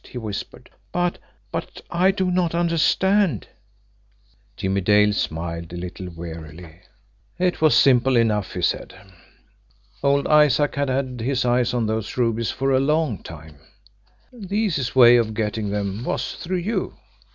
he whispered. "But but I do not understand." Jimmie Dale smiled a little wearily. "It was simple enough," he said. "Old Isaac had had his eyes on those rubies for a long time. The easiest way of getting them was through you.